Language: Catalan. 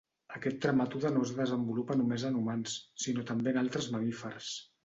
Aquest trematode no es desenvolupa només en humans sinó també en altres mamífers.